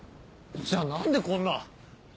じゃあ何でこんな！